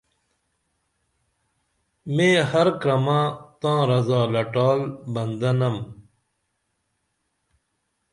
میں ہر کرمہ تاں رضا لٹال بندہ نم